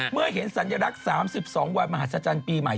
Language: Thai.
เมื่อเห็นสัญลักษณ์๓๒วันมหัศจรรย์ปีใหม่